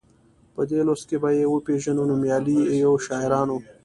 په دې لوست کې به یې وپيژنو نومیالیو شاعرانو.